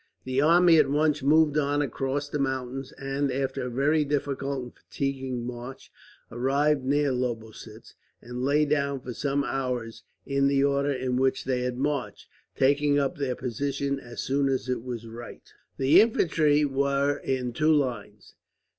The army at once moved on across the mountains and, after a very difficult and fatiguing march, arrived near Lobositz; and lay down for some hours in the order in which they had marched, taking up their position as soon as it was light. [Map: Battle of Lobositz] The infantry were in two lines.